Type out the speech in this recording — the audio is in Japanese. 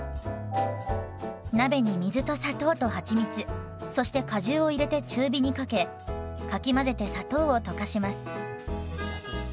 鍋に水と砂糖とはちみつそして果汁を入れて中火にかけかき混ぜて砂糖を溶かします。